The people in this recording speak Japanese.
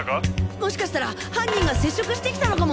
もしかしたら犯人が接触してきたのかも！